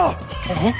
えっ？